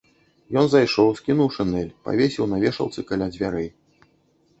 Ён зайшоў, скінуў шынель, павесіў на вешалцы каля дзвярэй.